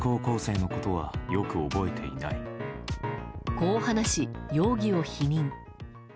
こう話し、容疑を否認。